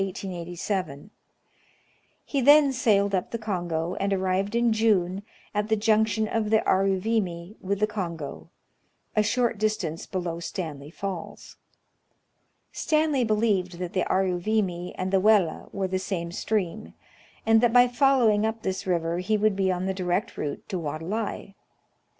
He then sailed up the Kongo, and arrived in June at the junction of the Aruvimi with the Kongo, a shoi't distance below Stanley Falls. Stanley believed that the Aruvimi and the Welle were the same stream, and that by following up this river he would be on the direct route to Wadelai.